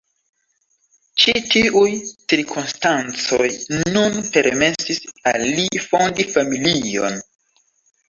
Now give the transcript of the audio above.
Ĉi tiuj cirkonstancoj nun permesis al li fondi familion.